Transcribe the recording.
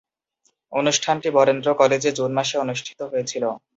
অনুষ্ঠানটি বরেন্দ্র কলেজে জুন মাসে অনুষ্ঠিত হয়েছিলো।